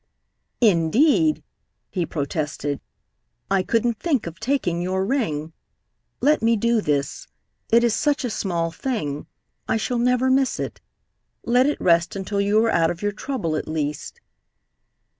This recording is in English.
"Indeed," he protested, "I couldn't think of taking your ring. Let me do this. It is such a small thing. I shall never miss it. Let it rest until you are out of your trouble, at least."